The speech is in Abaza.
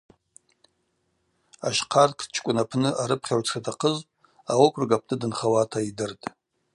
Ащхъарктчкӏвын апны арыпхьагӏв дшатахъыз аокруг апны дынхауата йдыртӏ.